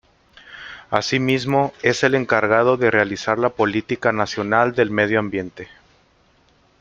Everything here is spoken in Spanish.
Asimismo, es el encargado de realizar la política nacional del medio ambiente.